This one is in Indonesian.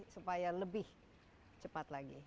supaya lebih cepat lagi